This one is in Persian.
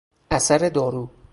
اثر دارو